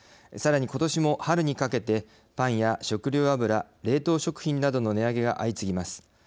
さらに、ことしも春にかけてパンや食料油、冷凍食品などの値上げが相次ぎます。